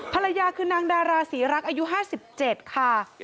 ภรรยาคือนางดาราศรีรักอายุ๕๗ค่ะ